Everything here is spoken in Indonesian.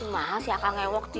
mas ya kang ya wak di